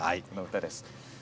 この歌です。